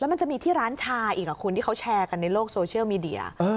มันจะมีที่ร้านชาอีกคุณที่เขาแชร์กันในโลกโซเชียลมีเดีย